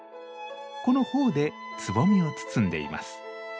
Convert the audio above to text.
この苞でつぼみを包んでいます。